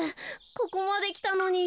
ここまできたのに。